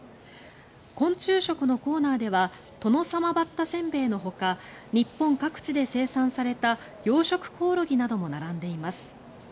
昆虫食のコーナーではトノサマバッタせんべいのほか日本各地で生産された養殖コオロギなども並んでいます。